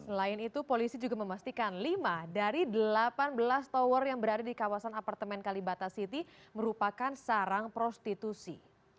selain itu polisi juga memastikan lima dari delapan belas tower yang berada di kawasan apartemen kalibata city merupakan sarang prostitusi